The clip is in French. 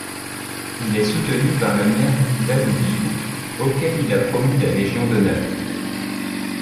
Il est soutenu par le maire d'Allouville auquel il a promis la légion d'honneur.